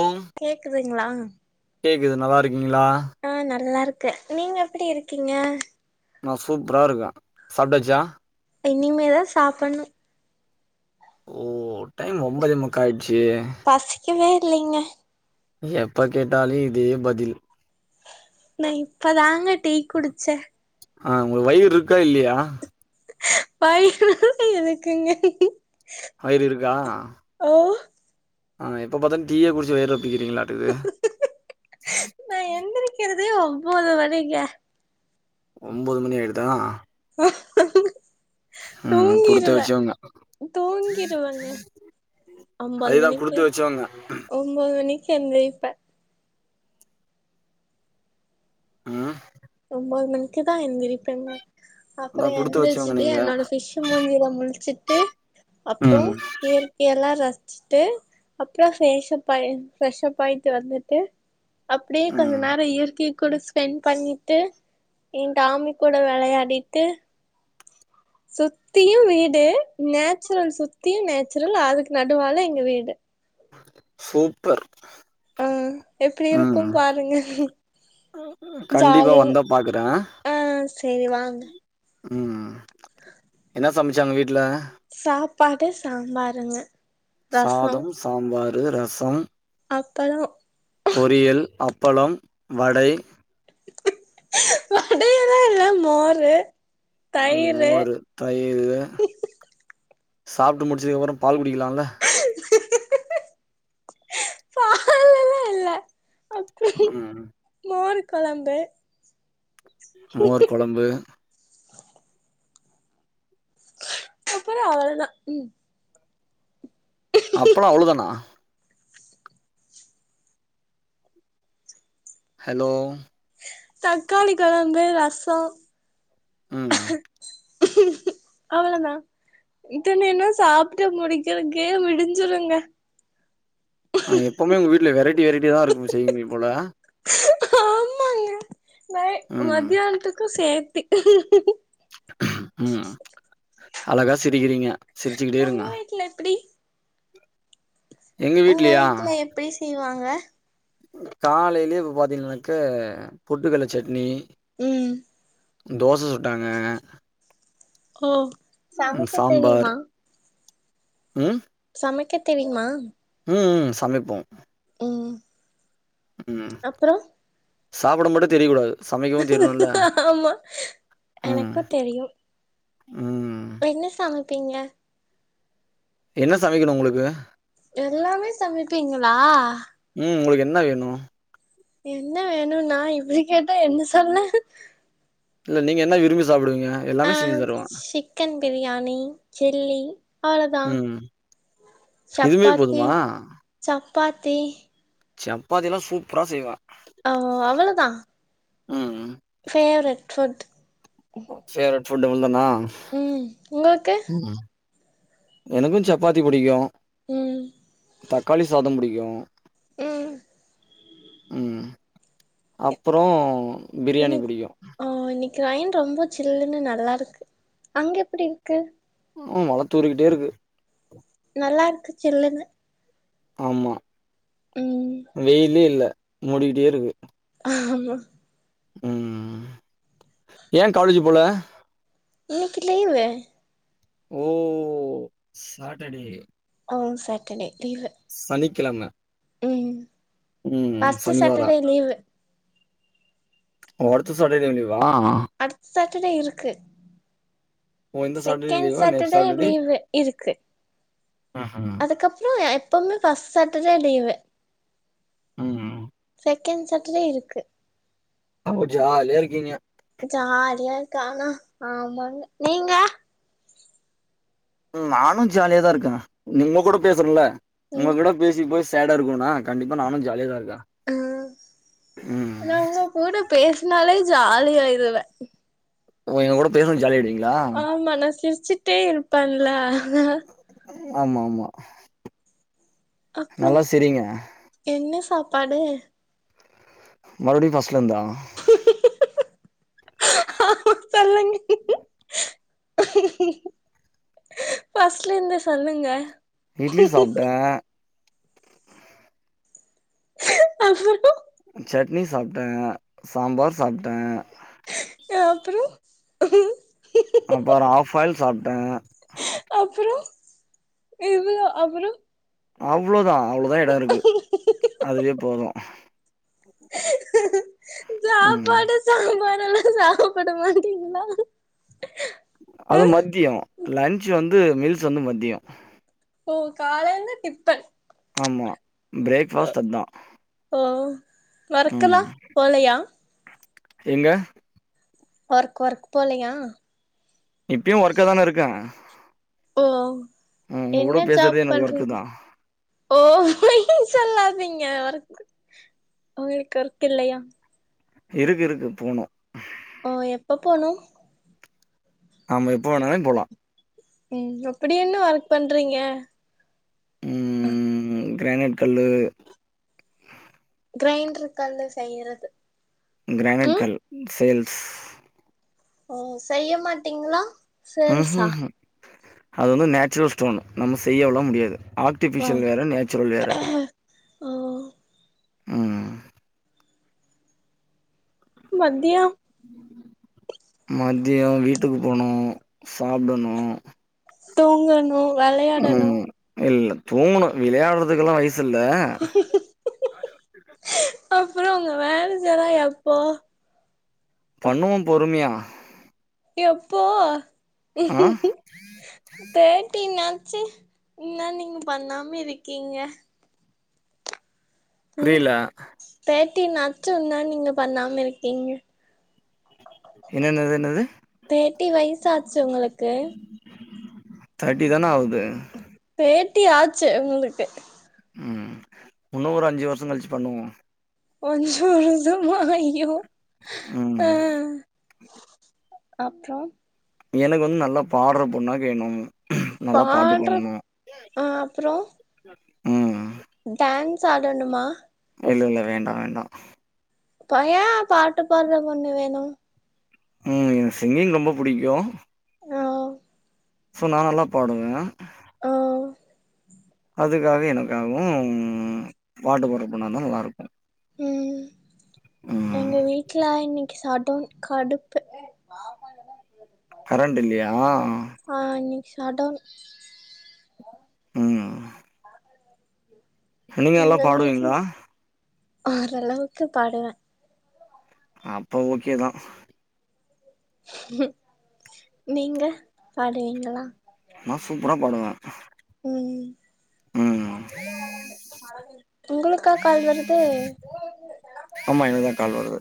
ஓ ம் கேக்குதுங்ளா கேக்குது நல்லா இருக்கீங்களா ஆ நல்லா இருக்கே நீங்க எப்டி இருக்கீங்க நா சூப்ரா இருக்கே சாப்டாச்சா இனிமே தா சாப்பனு ஓ டைம் ஒம்பதே முக்கா ஆயிட்ச்சு இக்கவே இல்லைங்க எப்ப கேட்டாலு இதே பதில் நா இப்ப தாங்க டீ குடிச்சே ஆ உங்களுக்கு வயிர்ருக்கா இல்லையா வயிறு இருக்குங்க வயிரு இருக்கா ஓ ஆ எப்ப பாத்தாலு டீ யே குடிச்சு வயிறு ரொப்பிக்கிறீங்களாட்டுக்குது நா எந்திரிக்கிறதே ஒம்போது மணிங்க ஒம்போது மணி ஆயிடுதா ம் குடுத்து தூங்கிருவே வச்சவங்க தூங்கிருவங்க ஒம்போது அதேதா மணிக்கு குடுத்து வச்சவங்க ஒம்போது மணிக்கு எந்திருப்பே ஆ ஒம்போது மணிக்கு தா எந்திரிப்பேங்க அதா அப்பறொ குடுத்து வச்சவங்க எந்திரிச்சுட்டு நீங்க என்னோட ஃபிஸ் மூன்ஞில முளிச்சுட்டு அப்றோ ம் இயற்கைய எல்லா ரஸ்ச்சுட்டு அப்றோ ஃப்ரேஷ்ப் ஆயி ப்ரெஷ் அப் ஆயிட்டு வந்துட்டு அப்டியே கொஞ்ச ம் நேரொ இயற்கை கூட ஸ்பெண்ட் பண்ணி ட்டு ஏ டாமி கூட வெளையாடிட்டு சுத்தியு வீடு நேச்சுரல் சுத்தியு நேச்சுரல் அதுக்கு நடுவால எங்க வீடு சூப்பர் ஆ எப்டி ம் இருக்கும் பாருங்க கண்டிப்பா ஜாலி வந்தா பாக்குறே ஆ சேரி வாங்க ம் என்ன சமைச்சாங்க வீட்டுல சாப்பாடு சாம்பாருங்க ரசோ சாதம் சாம்பாரு ரசம் அப்பளொ பொறியல் அப்பளம் வடை வடையல்லா இல்ல மோரு ம் தயிரு மோரு தயிறு சாப்ட்டு முடிச்சதுக்கு அப்பறம் பால் குடிக்கிலால பாலெல்லா இல்ல அப்றம் ம் மோறு கொழம்பு மோர் கொழம்பு அப்பறொ அவள தா ம் அப்பளொ அவ்ளோ தானா ஹலோ தக்காளி கொழம்பு ரசோ ம் அவ்ள தா இத்தனேனா சாப்ட்டு முடிக்கிறதுக்கே விடிஞ்சிருங்க ஆ எப்போமே உ ங்க வீட்ல வெரைட்டி வெரைட்டி தா இருக் செய்வீங்க போல ஆமாங்க நை ம் மத்தியானத்துக்கு சேத்து ம் அழகா சிரிக்கிறீங்க சிரிச்சுக்கிட்டே உங்க இருங்க வீட்ல எப்டி எங்க உங்க வீட்லயா வீட்ல எப்டி செய்வாங்க காலையிலேயே இப்ப பாத்தீங்கனாக்க பொட்டுக்கட்ல சட்னி ம் தோச சுட்டாங்க ஒ ம் சாம்பார் ம் சமைக்க தெரியிமா ம் ம் சமைப்போ ம் ம் அப்புறோ சாப்ட மட்டு தெரியக் கூடாது சமைக்கவு தெரியணுல்ல ஆமா ம் எனக்கு தெரியு ம் என்ன சமைப்பீங்க என்ன சமைக்கணு உங்களுக்கு எல்லாமே சமைப்பீங்ளா ம் உங்களுக்கு என்ன வேணு என்ன வேணுனா இப்டி கேட்டா என்ன சொல்ல இல்ல நீங்க என்ன விரும்பி சாப்டுவீங்க ஆ சிக்கன் பிரியாணி சில்லி அவ்ளதா இதுமே போதுமா சப்பாத்தி சப்பாத்தில்லா சூப்ரா செய்வே ஆ அவ்ளதா ம். ஃபேவரெட் ஃபுட் ஃபேவரெட் ஃபுட் இவ்ளதானா ம் உங்களுக்கு ம் எனக்கு சப்பாத்தி புடிக்கு ம் தக்காளி சாதம் புடிக்கு ம் ம் அப்றோ பிரியாணி இன்னிக் புடிக்கு ஆ இன்னைக்கி ரைன் ரொம்ப சில்லுன்னு நல்லா இருக்கு அங்க எப்டி இருக்கு ம் மழத்தூருக்கிட்டே இருக்கு நல்லா இருக்கு சில்லுன்னு ஆமா ம் வெயிலே இல்ல மூடிக்கிட்டே இருக்கு ஆமா ம் ஏ காலேஜு போல இன்னைக்கி லீவு ஓ சாட்டடே ஓ சாட்டர்டே லீவு சனிக்கெழம ம் ம் ஃபஸ்ட் சனிவோரா சாட்டர்டே லீவு ஒர்த்து சொல்லிட்டு நீ வேனா [unintelligible] அடுத்த சாட்டர்டே இருக்கு ஓ இந்த சாட்டர்டே செகண்ட் லீவா நெக்ஸ்ட் சாட்டர்டே லீவு இருக்கு ம் ம் அதுக்கப்பறோ எப்பவுமே ஃபர்ஸ்ட் சாட்டர்டே லீவு ம் செகண்ட் சாட்டர்டே இருக்கு அப்ப ஜாலியா இருக்கீங்க ஜாலியா இருக்க ஆனா ஆமாங்க நீங்க ம் நானு ஜாலியா தா இருக்கே உங்க கூட பேசுறேன்ல ம் உங்ககூட பேசி பேசி சேடா இருப்பேனா கண்டிப்பா நானு ஜாலியாதா இருக்கே ம் நா உங்க கூட பேசினாலே ஜாலியாயிருவே உங்க கூட பேசணு ஜாலி ஆயிடுருவீங்க ஆமா நா சிரிச்சுட்டே இருப்பேன்ல ஆமா ஆமா அப்றோ நல்லா சிரிங்க. என்ன சாப்பாடு மறுபடியு ஃபஸ்ட்ல இருந்தா [inaudible] பஸ்ட்ல இருந்து சொல்லுங்க இட்லி சாப்ட்டே [inaudible] சட்னி சாப்ட்டே சாம்பார் சாப்ட்டே ஆ அப்றோ அப்றோ ஆஃப் ஆயல் சாப்ட்டே அப்றோ இவ்ளோ அப்றோ அவ்ளோதா அவ்ளோதா எடோ இருக்கு அதுவே போது சாப்பாடு சாம்பார் எல்லா சாப்பட மாட்டீங்களா ஆ அது மத்தியோ லன்ச் வந்து மீல்ஸ் வந்து மத்தியோ ஓ காலைல டிப்பன் ஆமா ஓ பிரேக்ஃபாஸ்ட் அதா ஓ ஒர்க்கலா போலயா எங்க ஒர்க் ஒர்க் போலயா இப்பயு ஒர்க்கா தான இருக்கே ஓ ம் உங்க கூட என்ன ஜாப் பேசுறதே எனக்கு ஒர்க்கு பன்றீங்க தா ஓ பொய் சொல்லாதீங்க ஒர்க் அவங்களுக்கு ஒர்க் இல்லையா இருக்கு இருக்கு போணு ஓ எப்ப போணு நாம எப்ப வேணாலு போலா ம் அப்டி என்ன ஒர்க் பண்றீங்க ம் கிரேனைட் கல்லு கிரைண்டரு கல்லு செய்யறது கிரானைட் ம் கல் சேல்ஸ் ஓ செய்ய மாட்டீங்ளா ம் ம் ம் அது வந்து நேச்சுரல் ஸ்டோனு நம்ம செய்யவலாம் முடியாது ஆக்டிஃபிஷியல் வேற நேச்சுரல் வேற ஓ ம் மத்தியம் மத்தியோ வீட்டுக்கு போனு சாப்டணு தூங்கணு வெளையாடனு இல்லத் தூங்குணு விளையாட்றதுகுலா வயிச் அப்றோ உங்க மேரேஜெலா எப்போ பண்ணுவும் பொறுமியா எப்போ ஆ தேர்டின் ஆச்சு இன்ன நீங்க பண்ணாம இருக்கீங்க புரில தேர்டின் ஆச்சு இன்னு நீங்க பண்ணாம இருக்கீங்க என்னன்னது என்னது தேர்ட்டி வயசாச்சு உங்களுக்கு தேர்ட்டி தானே ஆவுது பேட்டி ஆச்சு உங்களுக்கு ம் வுன்னு ஒரு அஞ்சு வருஷோ கழ்ச்சு பண்ணுவோ அஞ்சு வருசமா ஐயோ ம் ஆ அப்றோ எனகு வந்து நல்லாப் பாட்றப் பொண்ணா கேணும் நல்லாப் பாட்டு பாட்ற பாட்னும் ஆ அப்றோ ம் டான்ஸ் ஆடணுமா இல்ல இல்ல வேண்டா வேண்டா பையா பாட்டு பார்ற பொண்ணு வேணு ம் எனகு சிங்கிங் ரொம்ப புடிக்கு ஆ சோ நா நல்லாப் பாடுவே ஓ அதுக்காக எனக்காகவும் பாட்டு பார்ற பொண்ணாந்தா நல்லாருக்கு ம் ம் எங்க வீட்ல இன்னைக்கு சடோன் கடுப்பு கரண்ட் இல்லியா ஆ இன்னிக் சடோன் ம் நீங்க நல்லா எங்க வீட்டுல பாடுவீங்களா ஓரளவுக்கு பாடுவே அப்ப ஓகேதா நீங்க பாடுவீங்கிளா நா சூப்பரா பாடுவே ம் உங்குளுக்கா கால் வருது ஆமா எனகுதா கால் வருது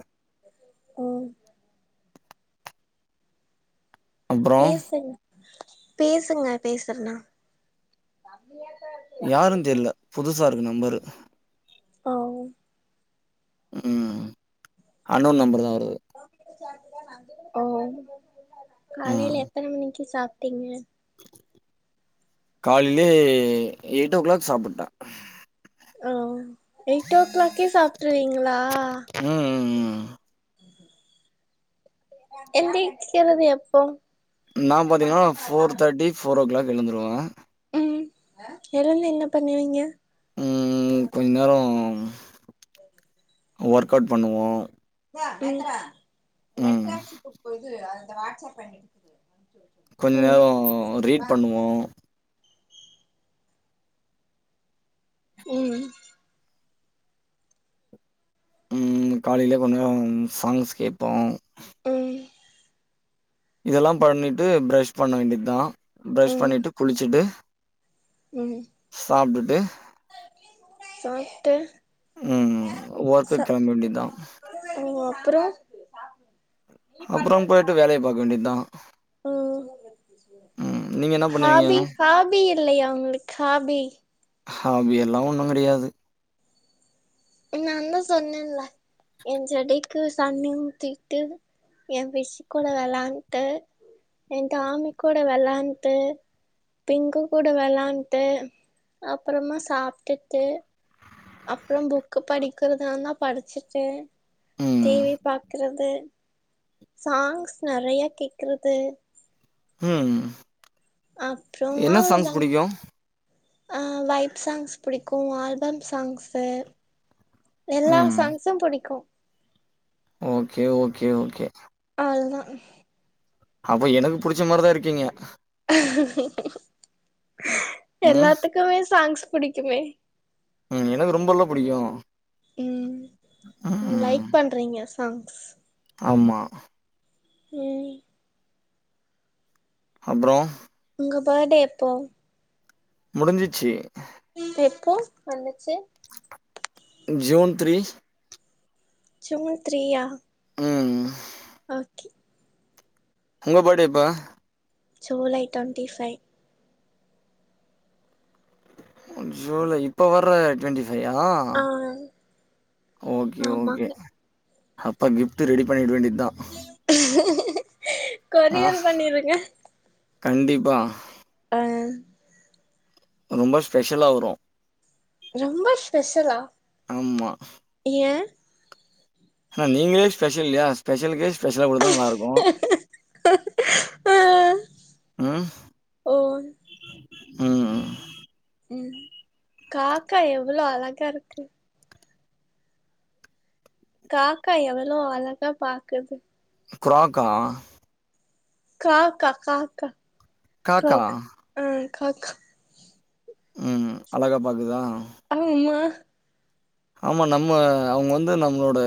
ஓ அப்றோ பேசுங்க பேசுங்க பேசறனா ஃபிரீயாதாருக் யாருன் தெர்ல புதுசா இருகு நம்பரு ஓ ம் அன்னோன் நம்பருதா வருது ஓ ம் காலையில எத்தன மணிக்கு சாப்ட்டீங்க காலையிலயே எயிட் ஓ கிளாக் சாப்புட்ட ஆ எயிட் ஓ கிளாக்கே சாப்ட்ருவீங்களா ம் ம் ம் எந்திக்கிறது எப்போ நா பாத்திங்கனா ஃபோர் தேட்டி ஃபோர் ஓ கிளாக் எழுந்துடுவ ம் எழுந்து என்ன பண்ணுவீங்க ம் கொஞ்ச நேரோ [unintelligible] ஒர்க் அவுட் பண்ணுவோ ம் ம் கொஞ்ச நேரோ ரீட் பண்ணுவோ ம் ம் காலையில் கொஞ்ச சாங்ஸ் கேப்போ ம் இதெல்லா பண்ணிட்டு ப்ரஷ் பண்ண வேண்டிதா பிரஷ் ம் பண்ணிட்டு குளிச்சுட்டு ம் சாப்ட்டுட்டு சாப்ட்டு ம் ச ஒர்க்குக் கெளம்ப வேண்டிதா ம் அப்றோ அப்புறோ போயிட்டு வேலைய பாக்க வேண்டியதுதா ம் ம் நீங்க என்ன பண்ணுவீங்க பி இல்லையா உங்களுக்கு ஹாஃபி ஹாஃபி எல்லா ஒன்னு கெடையாது நாந்தா சொன்னேன்ல எ செடிக்கு தண்ணி ஊத்திட்டு எ ஃபிஸ் கூட வெளாண்ட்டு எ டாமி கூட வெளாண்டு பிங்கு கூட வெளான்ட்டு அப்றமா சாப்ட்டுட்டு அப்புற புக்கு படிக்கிறதா தா படிச்சுட்டு ம் டிவி பாக்குறது சாங்ஸ் நெறய கேக்குறது ம் அப்புறம் என்ன சாங்ஸ் புடிக்கு அ வைப் சாங்ஸ் புடிக்கு ஆல்பம் சாங்ஸு எல்லா ம். சாங்ஸு புடிக்கு ஓகே ஓகே ஓகே அவ்ள தா அப்ப எனக்கு புடிச்ச மாரிதா இருக்கீங்க ம், எல்லாத்துக்குமே சாங்ஸ் புடிக்குமே ம் எனக்கு ரொம்பல்ல புடிக்கும் ம் டிரிங்கர்ஸ் சாங்ஸ் ஆமா ம் அப்றோ உங்க பர்டே எப்போ முடிஞ்சிச்சு எப்போஸ் வந்துச்சு ஜூன் த்ரீ ஜூன் த்ரியா ம் ம் ஓகே உங்க பேர்டே எப்ப ஜூலை ட்வெண்டி ஃபை ஜூலை இப்போ வர்ற ட்வெண்ட்டி ஃபையா ஆ ஓகே ஓகே ஆமாங்க அப்ப கிப்ட் ரெடி பண்ணிட வேண்டி தா கொரியர் ஆஹ் பண்ணிருங்க கண்டிப்பா ஆ ரொம்ப ஸ்பெஷலா வரு ரொம்ப ஸ்பெஷலா ஆமா ஏ ஆனா நீங்களே ஸ்பெஷல் இல்லியா ஸ்பெஷலுக்கே ஸ்பெஷலா குடுதா நல்லா இருக்கு ஆ ம் ஓ ம் ம் ம் காக்கா எவ்வளோ அழகா இருக்கு காக்கா எவ்வளோ அழகா பாக்குது குராக்கா காக்கா காக்கா காக்கா? க்ரோக் ஆ காக்கா ம் ம் அழக பாக்குதா அன்நியுஆ ஆமா நம்ம அவ்ங்க வந்து நம்மளோட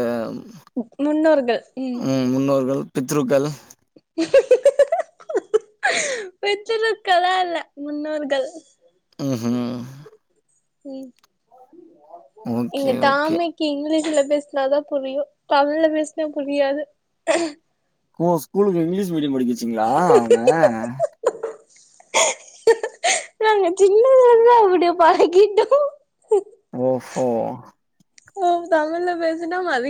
ம் முன்னோர்கள் பித்ருக்கல் பித்துருக்கலா இல்ல முன்னோர்கள் ம் ம் இங்க ஓகே, ஓகே. டாமிக் க்கி இங்கிலீஷ்ல பேசினாதா புரியு தமிழ்ல பேசுனா புரியாது ஓ ஸ்கூலுக்கு இங்கிலீஷ் மீடியம் படிச்சுசுங்ளா ஆன நாங்க சின்னதுல இருந்து அப்டிய பலக்கிட்டோ ஓ ஃபோ தமிழ்ல பேசுனா மதி